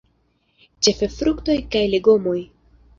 Ĉefe fruktoj kaj legomoj.